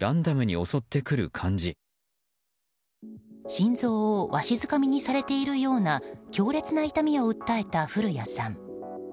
心臓をわしづかみにされているような強烈な痛みを訴えた降谷さん。